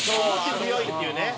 強いっていうね。